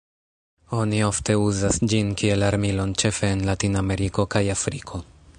Oni ofte uzas ĝin kiel armilon, ĉefe en Latinameriko kaj Afriko.